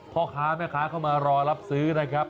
พ่อค้าแม่ค้าเข้ามารอรับซื้อนะครับ